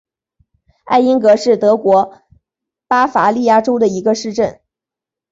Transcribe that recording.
艾因格是德国巴伐利亚州的一个市镇。